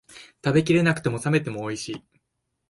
食べきれなくても、冷めてもおいしい